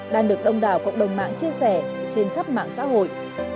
đang được đông đảo cộng đồng mạng chia sẻ trên khắp mạng xã hội